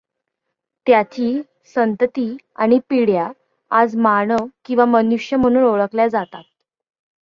त्याची संतती आणि पिढ्या आज मानव किंवा मनुष्य म्हणून ओळखल्या जातात.